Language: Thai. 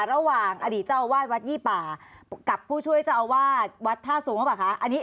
ระหว่างอดีตเจ้าอาวาสวัดยี่ป่ากับผู้ช่วยเจ้าอาวาสวัดท่าสูงหรือเปล่าคะ